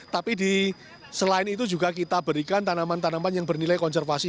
tapi selain itu juga kita berikan tanaman tanaman yang bernilai konservasi